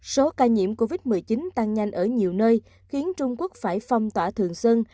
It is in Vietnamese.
số ca nhiễm covid một mươi chín tăng nhanh ở nhiều nơi khiến trung quốc phải phong tỏa thường sơn